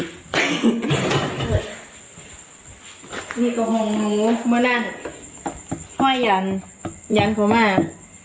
มีกระโฮงเหมือนกันห้อยยันยันพอมาก